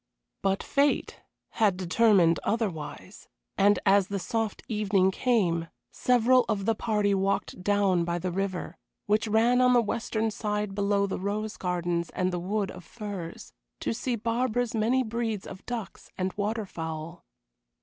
But fate had determined otherwise. And as the soft evening came several of the party walked down by the river which ran on the western side below the rose gardens and the wood of firs to see Barbara's many breeds of ducks and water fowl.